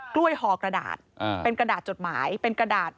กล้วยห่อกระดาษเป็นกระดาษจดหมายเป็นกระดาษ